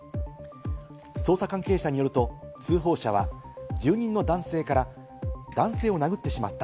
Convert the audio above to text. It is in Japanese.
捜査関係者によると、通報者は住人の男性から、男性を殴ってしまった。